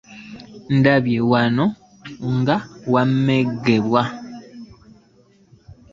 Ndabye wano nga weewaana nga bwe wammegga.